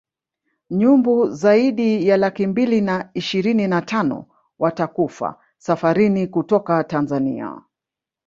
Nyumbu zaidi ya laki mbili na ishirini na tano watakufa safarini kutoka Tanzania